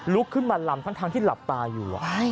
ลุกขึ้นมาลำทั้งที่หลับตาอยู่